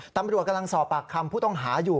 ตำรวจกำลังสอบปากคำผู้ต้องหาอยู่